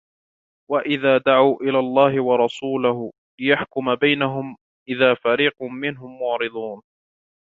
وإذا دعوا إلى الله ورسوله ليحكم بينهم إذا فريق منهم معرضون